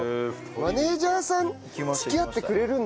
マネージャーさん付き合ってくれるんだ。